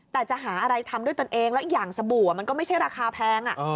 แต่จะหาอะไรทำด้วยตนเองแล้วอีกอย่างสบู่มันก็ไม่ใช่ราคาแพง